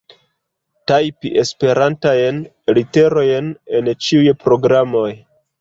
Tajpi Esperantajn literojn en ĉiuj programoj.